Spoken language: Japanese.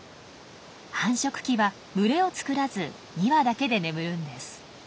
繁殖期は群れを作らず２羽だけで眠るんです。